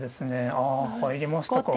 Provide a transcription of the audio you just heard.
あ入りましたか。